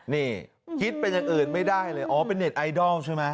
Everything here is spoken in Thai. นี่คิดเป็นอย่างอื่นไม่ได้เลยอ๋อเป็นเน็ตไอดอลใช่ไหม